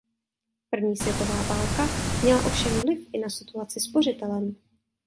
První světová válka měla ovšem vliv i na situaci spořitelen.